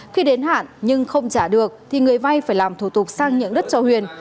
khi đến hạn nhưng không trả được thì người vay phải làm thủ tục sang nhượng đất cho huyền